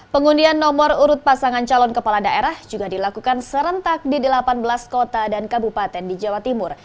pengundian nomor urut pasangan calon kepala daerah juga dilakukan serentak di delapan belas kota dan kabupaten di jawa timur